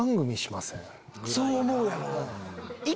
そう思うやろ？